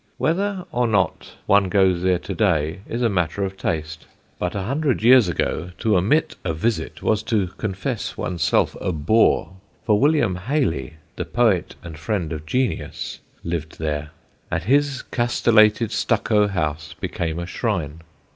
Whether or not one goes there to day is a matter of taste; but a hundred years ago to omit a visit was to confess one's self a boor, for William Hayley, the poet and friend of genius, lived there, and his castellated stucco house became a shrine.